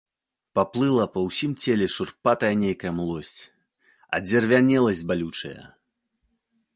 Паплыла па ўсім целе шурпатая нейкая млосць, адзервянеласць балючая.